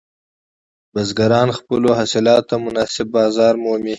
بزګران خپلو حاصلاتو ته مناسب بازار مومي.